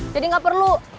jadi gak perlu